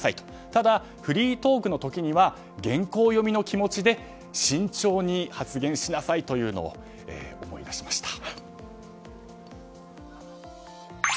ただフリートークの時には原稿読みの気持ちで慎重に発言しなさいというのを思い出しました。